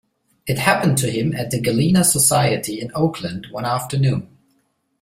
It happened to him at the Gallina Society in Oakland one afternoon.